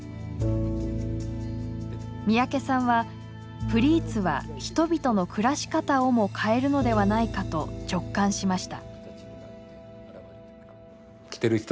三宅さんはプリーツは人々の暮らし方をも変えるのではないかと直感しました。